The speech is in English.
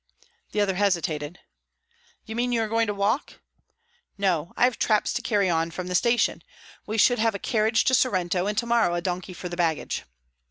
The other hesitated. "You mean you are going to walk?" "No. I have traps to carry on from the station. We should have a carriage to Sorrento, and to morrow a donkey for the baggage."